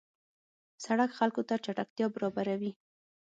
سړک خلکو ته چټکتیا برابروي.